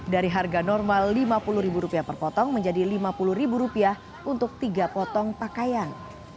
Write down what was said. dari harga normal rp lima puluh per potong menjadi rp lima puluh untuk tiga potong pakaian